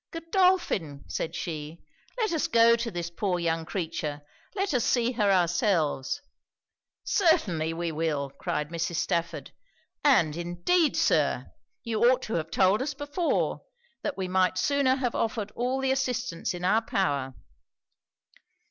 'Godolphin!' said she, 'let us go to this poor young creature let us see her ourselves.' 'Certainly we will,' cried Mrs. Stafford; 'and indeed, Sir, you ought to have told us before, that we might sooner have offered all the assistance in our power.'